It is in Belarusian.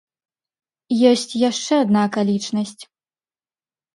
Ёсць яшчэ адна акалічнасць.